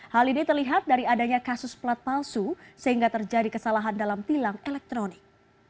hal ini terlihat dari adanya kasus plat palsu sehingga terjadi kesalahan dalam tilang elektronik